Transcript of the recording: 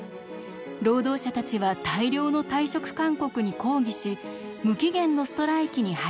労働者たちは大量の退職勧告に抗議し無期限のストライキに入ります。